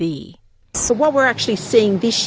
jadi apa yang kita lihat tahun ini adalah